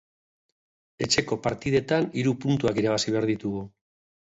Etxeko partidetan hiru puntuak irabazi behar ditugu.